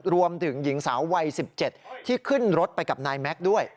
รวมถึงหญิงสาววัย๑๗ที่ขึ้นรถไปกับนายแม็กซ์ด้วย